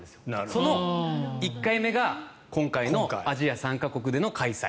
その１回目が今回のアジア３か国での開催。